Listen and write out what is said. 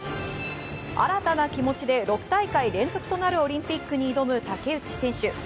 新たな気持ちで６大会連続となるオリンピックへ挑む竹内選手。